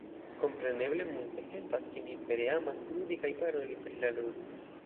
Kompreneble multe helpas, ke mi vere amas ludi kaj paroli pri la ludo.